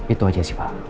itu aja sih pak